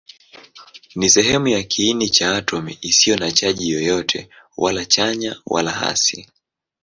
Ni sehemu ya kiini cha atomi isiyo na chaji yoyote, wala chanya wala hasi.